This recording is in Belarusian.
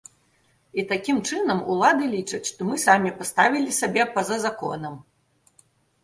І такім чынам, улады лічаць, што мы самі паставілі сябе па-за законам.